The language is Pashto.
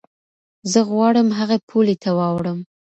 زه غواړم هغې پولې ته واوړم.